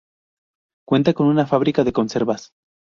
Cuenta con una fábrica de conservas.